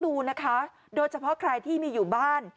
ดูนะคะโดยเฉพาะใครที่มีอยู่บ้าน